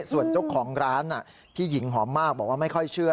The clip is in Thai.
ส่วนเจ้าของร้านพี่หญิงหอมมากบอกว่าไม่ค่อยเชื่อ